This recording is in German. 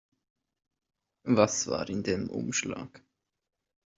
Was war in dem Umschlag?